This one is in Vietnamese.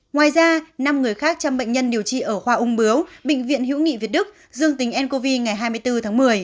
ngoài ra năm người khác chăm bệnh nhân điều trị ở khoa ung bướu bệnh viện hữu nghị việt đức dương tính ncov ngày hai mươi bốn tháng một mươi